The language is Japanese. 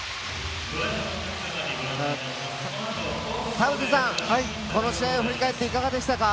田臥さん、この試合を振り返っていかがでしたか？